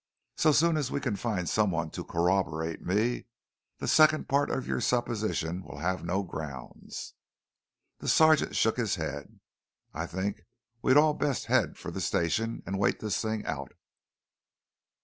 "So soon as we can find someone to corroborate me, the second part of your supposition will have no grounds." The sergeant shook his head. "I think we'd all best head for the station and wait this thing out."